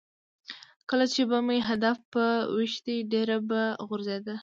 کله چې به مې هدف په ویشتی ډېره به غورځېده.